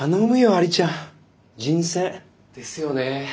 有ちゃん人選。ですよね。